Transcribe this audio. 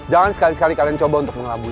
jangan sekali sekali kalian coba untuk mengelabui